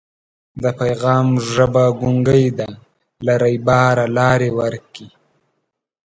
د پیغام ژبه ګونګۍ ده له رویباره لاري ورکي